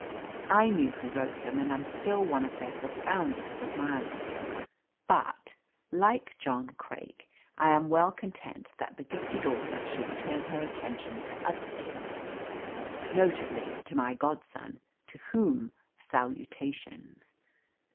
I knew who wrote them, and am still one of their profoundest admirers, but, like John Craik, I am well content that the gifted author should turn her attention to other things, notably to my godson, to whom salutations.